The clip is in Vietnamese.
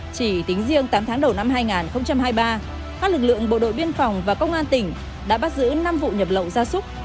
chỉ tính riêng tám tháng đầu năm hai nghìn hai mươi ba các lực lượng bộ đội biên phòng và công an tỉnh đã bắt giữ năm vụ nhập lậu gia súc